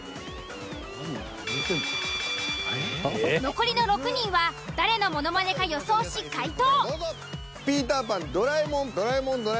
残りの６人は誰のものまねか予想し解答。